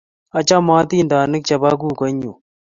achame atindonik che bo kukuoe nyu.